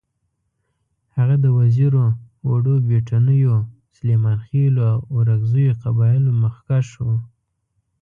هغه د وزیرو، وړو بېټنیو، سلیمانخېلو او اورکزو قبایلو مخکښ وو.